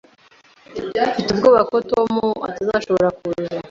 Mfite ubwoba ko Tom atazashobora kuza.